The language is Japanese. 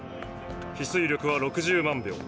比推力は６０万秒。